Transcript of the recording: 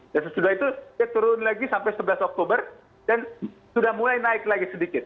dan setelah itu turun lagi sampai sebelas oktober dan sudah mulai naik lagi sedikit